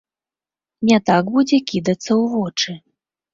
Не так будзе кідацца ў вочы.